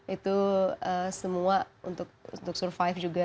itu semua untuk survive juga